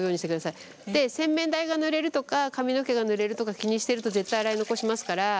洗面台がぬれるとか髪の毛がぬれるとか気にしてると絶対洗い残しますから。